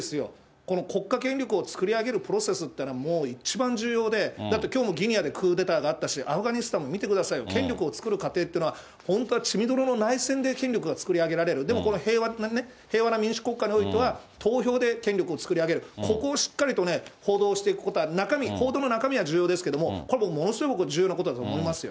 この国家権力を作り上げるプロセスっていうのはもう一番重要で、だってきょうもギニアでクーデターがあったし、アフガニスタンも見てくださいよ、権力を作る過程っていうのは、本当は血みどろの内戦で権力が作り上げられる、けれども、平和な民主国家においては、投票で権力を作り上げる、ここをしっかりとね、報道していくことは、中身、報道の中身は重要ですけれども、これ、ものすごく重要なことだと思いますよ。